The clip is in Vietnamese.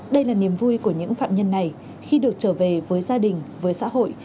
đây là niềm vui của những phạm nhân này khi được trở về với gia đình với xã hội